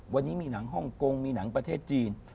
วันนี้มีหนังฮ่องกงมีหนังประเทศจีน